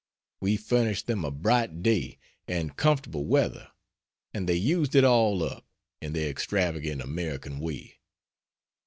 We furnished them a bright day and comfortable weather and they used it all up, in their extravagant American way.